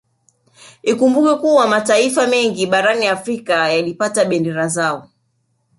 Ikumbukwe kuwa mataifa mengi barani Afrika yalipata bendera zao